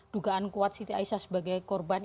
dugaan kuat city asia sebagai korban